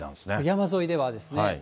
山沿いではですね。